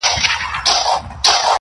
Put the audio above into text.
• چي مي خپل سي له شمشاده تر چتراله -